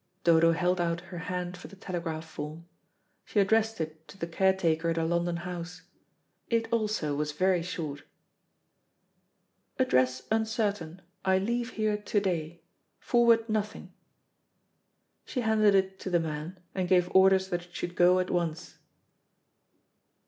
Dodo held out her hand for the telegraph form. She addressed it to the caretaker at her London house. It also was very short: "Address uncertain; I leave here to day. Forward nothing." She handed it to the man, and gave orders that it should go at once.